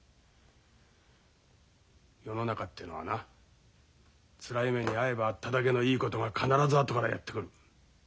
世の中っていうのはなつらい目に遭えば遭っただけのいいことが必ず後からやって来る。